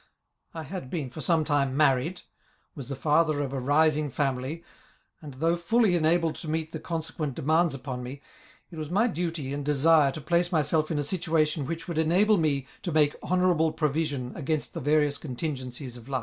I had been for some time married — was the father of a rising family, and, though fully enabled to meet the consequent demands upon me, it was my duty and desire to place myself in a situation which would enable me to make honourable provision against the various contingencies of life.